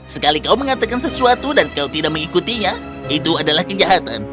sekali kau mengatakan sesuatu dan kau tidak mengikutinya itu adalah kejahatan